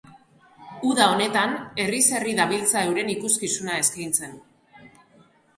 Uda honetan herriz herri dabiltza euren ikuskizuna eskeintzen.